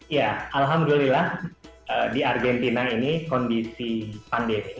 ya alhamdulillah di argentina ini kondisi pandemi